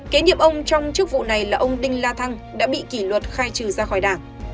kế nhiệm ông trong chức vụ này là ông đinh la thăng đã bị kỷ luật khai trừ ra khỏi đảng